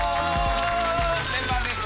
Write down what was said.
メンバーです。